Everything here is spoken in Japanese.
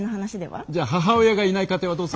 じゃあ母親がいない家庭はどうするんですか？